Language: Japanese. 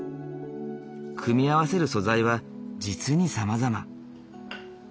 組み合わせる素材は実にさまざま。